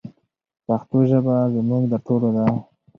پښتو ژبه زموږ د ټولو ده.